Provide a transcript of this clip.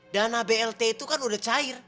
dana blt itu kan udah cair